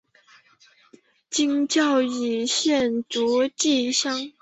今嘉义县竹崎乡。